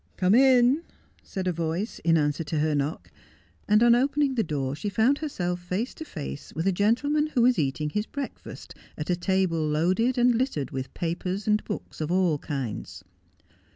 ' Come in,' said a voice, in answer to her knock, and on opening the door she found herself face to face with a gentleman who was eating his breakfast at a table loaded and littered with papers and books of all kinds.